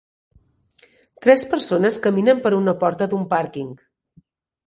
Tres persones caminen per una porta d'un pàrquing.